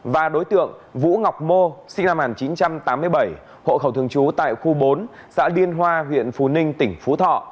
và đối tượng vũ ngọc mô sinh năm một nghìn chín trăm tám mươi bảy hộ khẩu thường trú tại khu bốn xã điên hoa huyện phú ninh tỉnh phú thọ